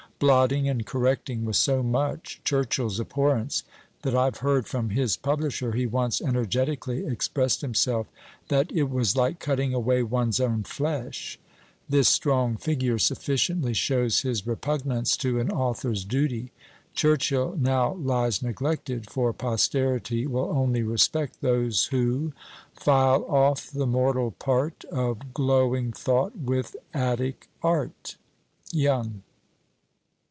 Blotting and correcting was so much Churchill's abhorrence, that I have heard from his publisher he once energetically expressed himself, that it was like cutting away one's own flesh. This strong figure sufficiently shows his repugnance to an author's duty. Churchill now lies neglected, for posterity will only respect those who File off the mortal part Of glowing thought with Attic art. YOUNG.